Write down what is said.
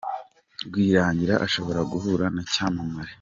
Rwirangira ashobora guhura n’cyamamare